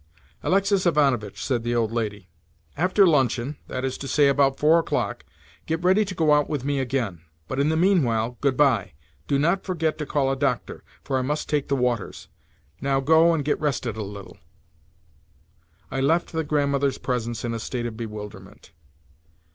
"Alexis Ivanovitch," said the old lady, "after luncheon,—that is to say, about four o'clock—get ready to go out with me again. But in the meanwhile, good bye. Do not forget to call a doctor, for I must take the waters. Now go and get rested a little." I left the Grandmother's presence in a state of bewilderment.